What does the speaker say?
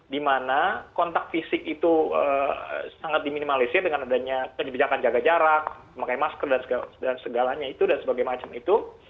dimana kontak fisik itu sangat diminimalisir dengan adanya kebijakan jaga jarak memakai masker dan segalanya itu dan sebagainya itu